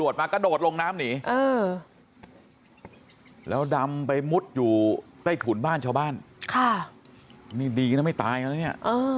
โดดลงน้ำหนีแล้วดำไปมุดอยู่ใต้ขุนบ้านชาวบ้านนี่ดีนะไม่ตายแล้วเนี่ย